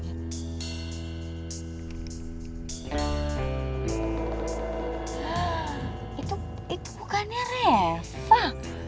itu itu bukannya reva